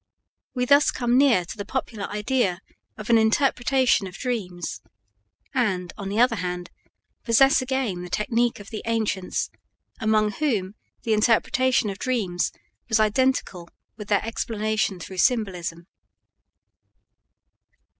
We thus come near to the popular idea of an interpretation of dreams, and, on the other hand, possess again the technique of the ancients, among whom the interpretation of dreams was identical with their explanation through symbolism.